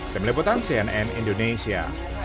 pemlebutan cnn indonesia